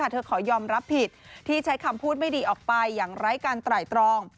ขอยอมรับผิดที่ใช้คำพูดไม่ดีออกไปอย่างไร้การไตรตรอง